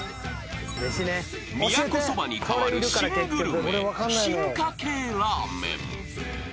［宮古そばに代わる新グルメ進化系ラーメン］